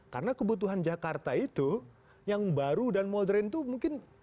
karena kebutuhan jakarta itu yang baru dan modern itu mungkin